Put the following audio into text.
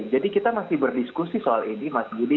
jadi kita masih berdiskusi soal ini mas budi